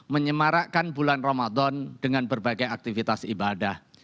menyemarakkan bulan ramadan dengan berbagai aktivitas ibadah